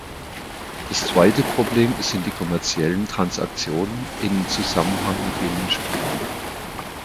Das zweite Problem sind die kommerziellen Transaktionen im Zusammenhang mit jungen Spielern.